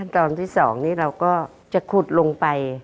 ขั้นตอนที่สองนี่เราก็จะขุดลงไป